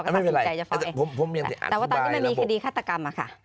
ไม่เป็นไรแต่ว่าตอนนี้มันมีคดีฆาตกรรมอะค่ะ